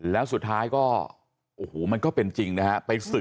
แล้วสุดท้ายก็โอ้โหมันก็เป็นจริงนะฮะไปศึก